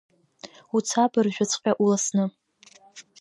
Уца абыржәыҵәҟьа уласны!